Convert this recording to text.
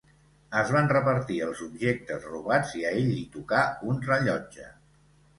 Es van repartir els objectes robats i a ell li tocà un rellotge.